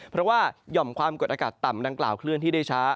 เพราะว่าหย่อมความกดอากาศต่ำดังกล่าวเคลื่อนที่ได้ช้า